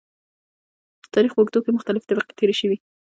د تاريخ په اوږدو کې مختلفې طبقې تېرې شوي .